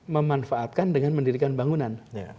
memanfaatkan dengan mendirikan bangunan